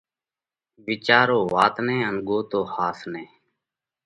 وِيچارو وات نئہ ان ڳوتو ۿاس نئہ!